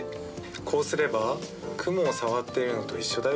こうすれば雲を触ってるのと一緒だよ。